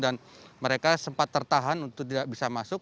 dan mereka sempat tertahan untuk tidak bisa masuk